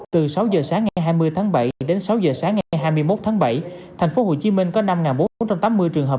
từ sáu giờ sáng ngày hai mươi tháng bảy đến sáu giờ sáng ngày hai mươi một tháng bảy thành phố hồ chí minh có năm bốn trăm tám mươi trường hợp